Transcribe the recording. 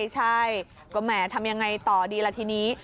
ใช่ก็แหมทำยังไงต่อดีล่ะทีนี้